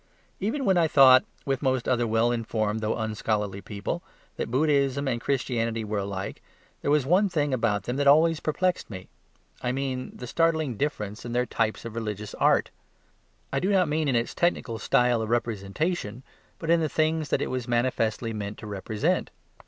Even when I thought, with most other well informed, though unscholarly, people, that Buddhism and Christianity were alike, there was one thing about them that always perplexed me; I mean the startling difference in their type of religious art. I do not mean in its technical style of representation, but in the things that it was manifestly meant to represent.